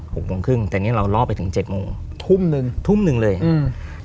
โมงครึ่งแต่เนี้ยเราล่อไปถึงเจ็ดโมงทุ่มหนึ่งทุ่มหนึ่งเลยอืม